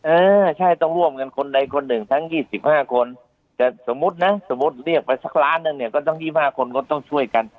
เออใช่ต้องร่วมกันคนใดคนหนึ่งทั้ง๒๕คนแต่สมมุตินะสมมุติเรียกไปสักล้านหนึ่งเนี่ยก็ต้อง๒๕คนก็ต้องช่วยกัน